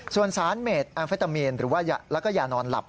ส่วนสารเมธอัลเฟทามีนแล้วก็ยานอนหลับ